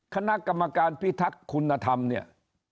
คณะกรรมการพิทักษ์คุณธรรมเนี่ย